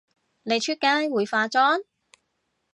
你出街會化妝？